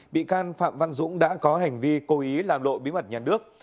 bị can phạm văn dũng đã có hành vi cố ý làm lộ bí mật nhà nước